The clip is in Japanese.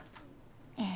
ええ。